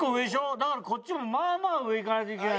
だからこっちもまあまあ上いかないといけない。